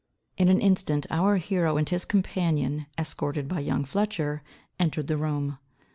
In an instant our hero and his companion, escorted by young Fletcher, entered the room.